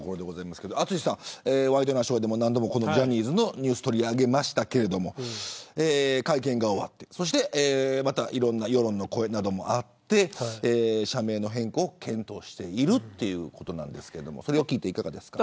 淳さん、ワイドナショーでも何度もジャニーズのニュース取り上げましたけど会見が終わって、そしていろんな世論の声などもあって社名の変更を検討しているということなんですがいかがですか。